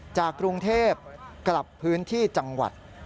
จากกรุงเทพกลับพื้นที่จังหวัด